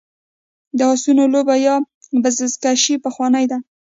د اسونو لوبه یا بزکشي پخوانۍ ده